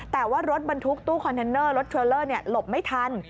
แต่ว่ารถบรรทุกตู้คอนเทนเนอร์รถเทรลเลอร์หลบไม่ทัน